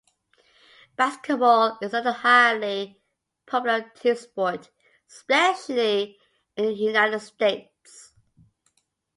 Basketball is another highly popular team sport, especially in the United States.